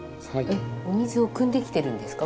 えっお水をくんできてるんですか？